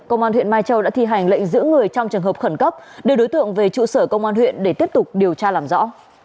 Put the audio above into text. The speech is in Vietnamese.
công an huyện mai châu đã thi hành lệnh giữ người trong trường hợp khẩn cấp đưa đối tượng về trụ sở công an huyện để tiếp tục điều tra làm rõ